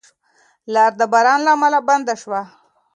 لار د باران له امله بنده شوه.